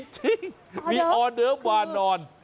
จริงมีออเดิฟวานอน